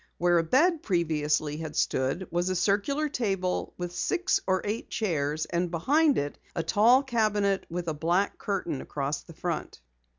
Where a bed previously had stood was a circular table with six or eight chairs, and behind it a tall cabinet with a black curtain across the front.